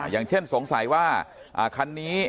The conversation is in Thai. อย่างเช่นสงสัยว่าคันนี้